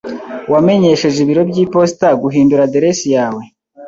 Wamenyesheje ibiro byiposita guhindura aderesi yawe?